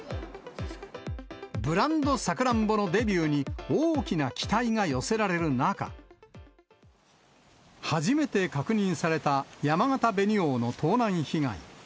ブランドサクランボのデビューに大きな期待が寄せられる中、初めて確認されたやまがた紅王の盗難被害。